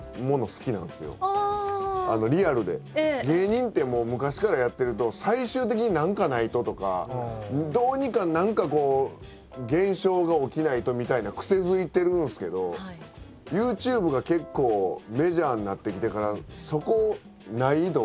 芸人ってもう昔からやってると最終的に何かないととかどうにか何かこう現象が起きないとみたいな癖づいてるんですけどＹｏｕＴｕｂｅが結構メジャーになってきてからそこない